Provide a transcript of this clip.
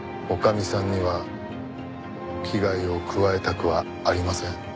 女将さんには危害を加えたくはありません。